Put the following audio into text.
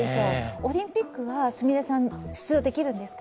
オリンピックは菫さん、出場できるんですか？